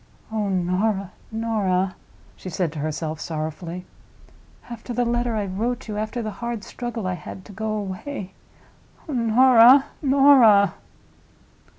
"Oh, Norah, Norah!" she said to herself, sorrowfully. "After the letter I wrote you—after the hard struggle I had to go away! Oh, Norah, Norah!"